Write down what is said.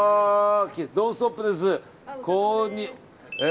「ノンストップ！」です。